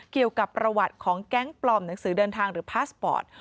เกี่ยวกับประวัติของแก๊งปลอมหนังสือเดินทางหรือพาสปอร์ต